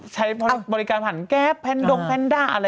ใช้บริการผันแก๊บแวนโดแฟนด้าอะไรอย่างนี้